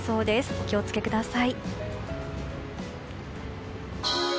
お気を付けください。